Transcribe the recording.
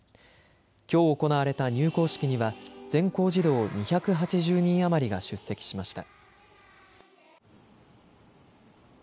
きょう行われた入校式には全校児童２８０人余りが出席しました。